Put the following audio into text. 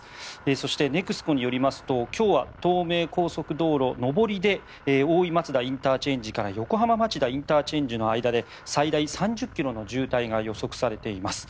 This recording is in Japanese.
そしてネクスコによりますと今日は東名高速道路上りで大井松田ＩＣから横浜町田ＩＣの間で最大３０ｋｍの渋滞が予測されています。